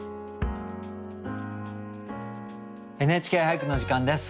「ＮＨＫ俳句」の時間です。